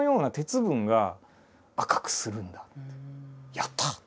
やった！